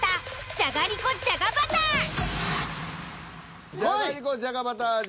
じゃがりこじゃがバター味